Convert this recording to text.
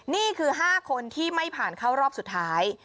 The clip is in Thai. นี่คือ๕คนที่ไม่ผ่านเข้ารอบสุดท้าย